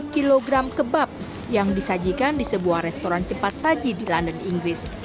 dua puluh kg kebab yang disajikan di sebuah restoran cepat saji di london inggris